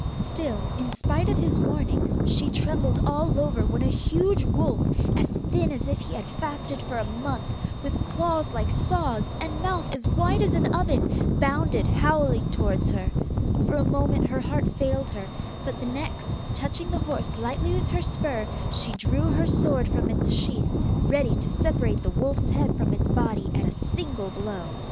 Still in spite of his warning she trembled all over when a huge wolf, as thin as if he had fasted for a month, with claws like saws, and mouth as wide as an oven, bounded howling towards her. For a moment her heart failed her, but the next, touching the horse lightly with her spur, she drew her sword from its sheath, ready to separate the wolf's head from its body at a single blow.